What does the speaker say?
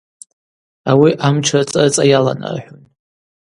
Ауи амч рыцӏа-рыцӏа йаланархӏун.